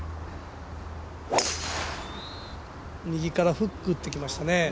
右からフック打ってきましたね。